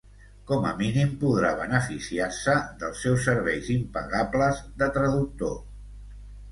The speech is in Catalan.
Com a mínim podrà beneficiar-se dels seus serveis impagables de traductor.